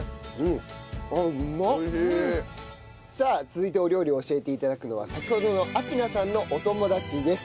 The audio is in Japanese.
さあ続いてお料理を教えて頂くのは先ほどの明菜さんのお友達です。